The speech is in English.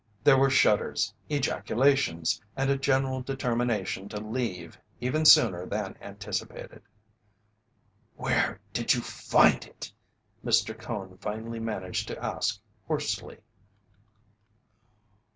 There were shudders, ejaculations, and a general determination to leave even sooner than anticipated. "Where did you find it?" Mr. Cone finally managed to ask hoarsely.